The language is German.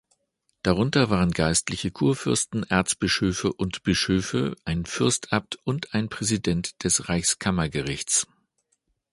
Darunter waren geistliche Kurfürsten, Erzbischöfe und Bischöfe, ein Fürstabt und ein Präsident des Reichskammergerichts.